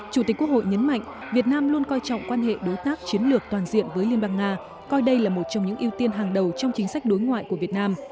chủ tịch quốc hội nhấn mạnh việt nam luôn coi trọng quan hệ đối tác chiến lược toàn diện với liên bang nga coi đây là một trong những ưu tiên hàng đầu trong chính sách đối ngoại của việt nam